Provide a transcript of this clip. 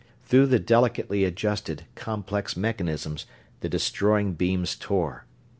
Through the delicately adjusted, complex mechanisms the destroying beams tore.